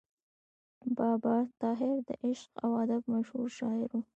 بابا طاهر د عشق او ادب مشهور شاعر و.